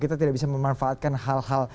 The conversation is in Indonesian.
kita tidak bisa memanfaatkan hal hal